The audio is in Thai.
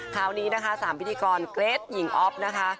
คราวนี้นะคะ๓พิธีกรเกรทหญิงอ๊อฟนะคะ